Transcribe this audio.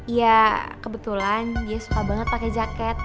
ya kebetulan dia suka banget pakai jaket